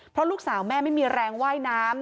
เพราะลูกสาวแม่ไม่มีแรงว่ายน้ำ